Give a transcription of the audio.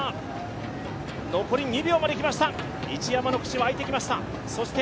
残り２秒まできました、一山の口は開いてきました。